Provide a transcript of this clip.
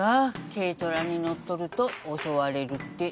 軽トラに乗っとると襲われるって。